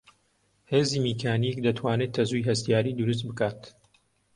هێزی میکانیک دەتوانێت تەزووی هەستیاری دروست بکات